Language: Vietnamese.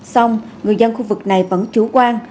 xong người dân khu vực này vẫn chủ quan